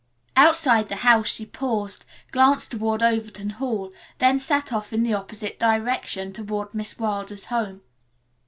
Outside the house she paused, glanced toward Overton Hall, then set off in the opposite direction toward Miss Wilder's home.